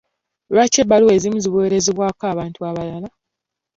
Lwaki ebbaluwa ezimu ziweerezebwako abantu abalala?